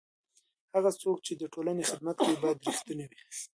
هغه څوک چې د ټولنې خدمت کوي باید رښتینی وي.